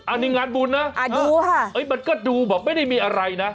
อันนี้งานบุญนะดูค่ะมันก็ดูแบบไม่ได้มีอะไรนะ